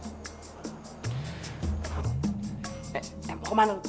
eh eh mau ke mana